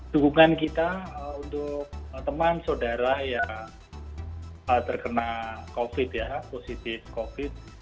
dukungan kita untuk teman saudara yang terkena covid ya positif covid